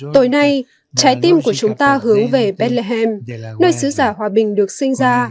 tối nay trái tim của chúng ta hướng về bethlehem nơi sứ giả hòa bình được sinh ra